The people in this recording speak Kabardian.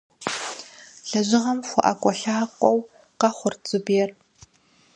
Лэжьыгъэм хуэIэкIуэлъакIуэу къэхъурт Зубер.